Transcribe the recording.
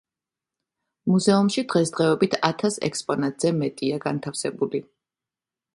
მუზეუმში დღესდღეობით ათას ექსპონატზე მეტია განთავსებული.